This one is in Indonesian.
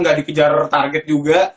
gak dikejar target juga